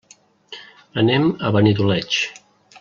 Anem a Benidoleig.